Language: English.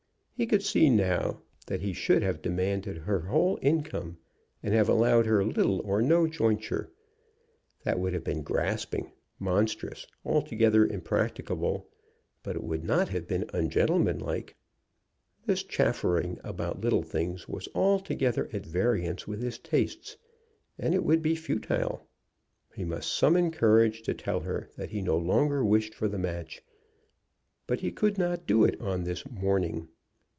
He could see now that he should have demanded her whole income, and have allowed her little or no jointure. That would have been grasping, monstrous, altogether impracticable, but it would not have been ungentleman like. This chaffering about little things was altogether at variance with his tastes, and it would be futile. He must summon courage to tell her that he no longer wished for the match; but he could not do it on this morning.